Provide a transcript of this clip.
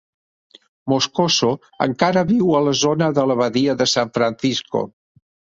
Moscoso encara viu a la zona de la Badia de San Francisco.